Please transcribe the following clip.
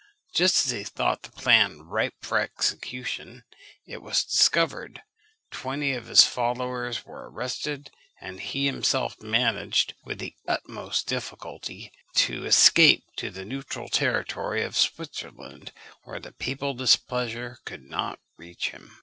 Just as he thought the plan ripe for execution, it was discovered. Twenty of his followers were arrested, and he himself managed, with the utmost difficulty, to escape to the neutral territory of Switzerland, where the papal displeasure could not reach him.